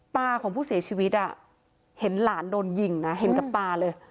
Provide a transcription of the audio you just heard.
ของผู้เสียชีวิตเห็นหลานโดนยิงนะเห็นกับตาเลย